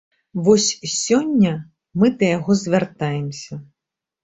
Вось сёння мы да яго звяртаемся.